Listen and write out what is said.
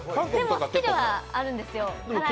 好きではあるんですよ。